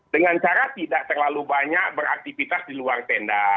dengan cara tidak terlalu banyak beraktivitas di luar tenda